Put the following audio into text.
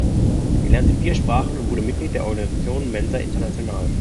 Sie lernte vier Sprachen und wurde Mitglied der Organisation Mensa International.